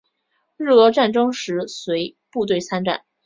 日俄战争时随部队参战。